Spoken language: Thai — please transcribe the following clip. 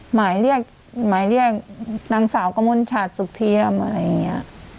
หมายเรียกนางสาวกมลชาติสุขเทียมอะไรอย่างนี้